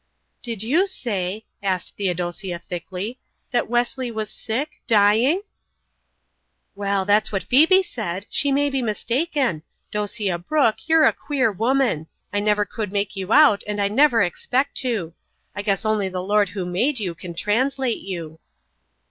"Did you say," asked Theodosia thickly, "that Wesley was sick dying?" "Well, that's what Phoebe said. She may be mistaken. Dosia Brooke, you're a queer woman. I never could make you out and I never expect to. I guess only the Lord who made you can translate you."